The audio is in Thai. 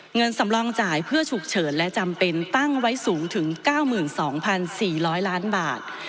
เงินสำรองจ่ายเพื่อฉุกเฉินและจำเป็นตั้งไว้สูงถึง๙๒๔๐๐ล้านบาท